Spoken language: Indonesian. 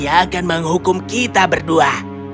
yang akan menghukum kita berdua